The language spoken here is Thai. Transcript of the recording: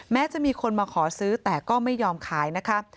จะมีคนมาขอซื้อแต่ก็ไม่ยอมขายนะคะ